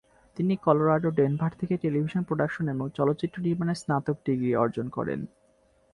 তিনি কলোরাডোর ডেনভার থেকে টেলিভিশন প্রোডাকশন এবং চলচ্চিত্র নির্মাণে স্নাতক ডিগ্রি অর্জন করেন।